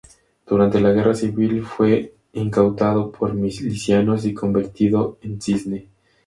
Durante la guerra civil fue incautado por los milicianos y convertido en cine.